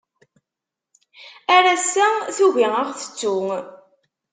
Ar ass-a tugi ad aɣ-tettu.